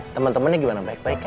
temen temennya gimana baik baik ya